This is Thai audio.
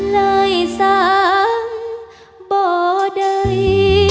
เลยซ้ำบ่ดัย